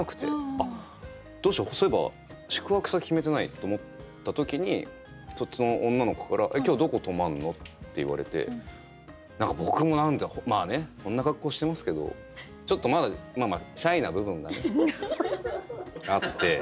あっどうしようそういえば宿泊先決めてないと思った時に女の子から「今日どこ泊まんの？」って言われて何か僕もまあねこんな格好してますけどちょっとまあまあシャイな部分がねあって。